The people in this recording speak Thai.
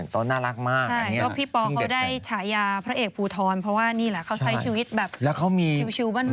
ตัวน่ารักมากพี่ปอล์ก็ได้ฉายาพระเอกผูทรเพราะว่านี่แหละเขาใช้ชีวิตแบบชิวบ้าน